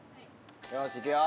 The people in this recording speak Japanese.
よしいくよ！